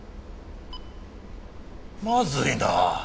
まずいなあ！